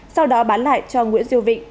sau đó bán lại cho nguyễn duy vịnh